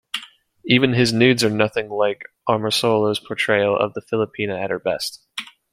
Even his nudes are nothing like Amorsolo's portrayal of the Filipina at her best.